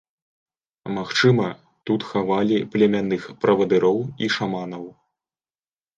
Магчыма, тут хавалі племянных правадыроў і шаманаў.